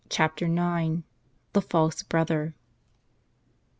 ^ CHAPTER IX, THE FALSE BROTHER.